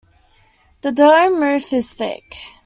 The dome roof is thick.